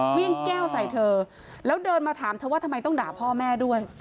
เครื่องแก้วใส่เธอแล้วเดินมาถามเธอว่าทำไมต้องด่าพ่อแม่ด้วย